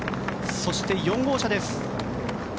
そして、４号車です。